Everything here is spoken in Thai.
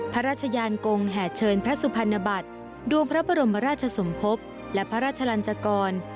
พระราชยานกงแห่เชิญพระสุพรรณบัตรดวงพระบรมราชสมภพและพระราชลันจกร